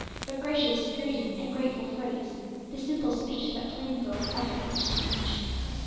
But gracious greeting and grateful phrase, The simple speech That plain folk utter each to each.